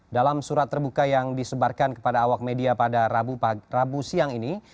dalam surat terbuka yang disebarkan kepada awak media pada rabu siang ini